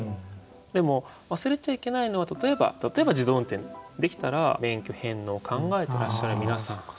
でも忘れちゃいけないのは例えば自動運転できたら免許返納考えてらっしゃる皆さん。